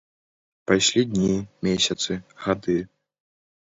Пайшлі дні, месяцы, гады.